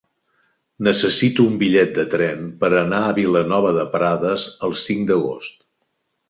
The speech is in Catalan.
Necessito un bitllet de tren per anar a Vilanova de Prades el cinc d'agost.